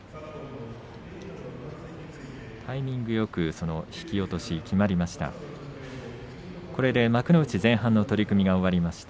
タイミングよくその引き落とし、決まりました。